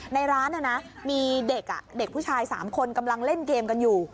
ในร้านมีเด็กเด็กผู้ชาย๓คนกำลังเล่นเกมกันอยู่